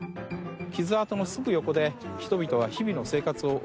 傷痕のすぐ横で人々は日々の生活を送っています。